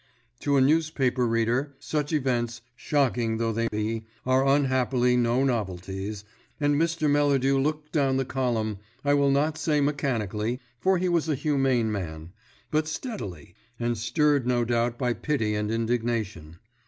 To a newspaper reader such events, shocking though they be, are unhappily no novelties, and Mr. Melladew looked down the column, I will not say mechanically, for he was a humane man, but steadily, and stirred no doubt by pity and indignation.